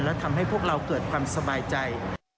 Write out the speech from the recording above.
และทำให้พวกเราเกิดความสบายใจ